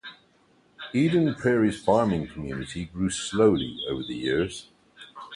Eden Prairie's farming community grew slowly over the years.